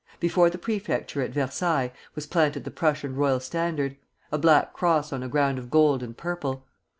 Before the prefecture at Versailles was planted the Prussian royal standard, a black cross on a ground of gold and purple.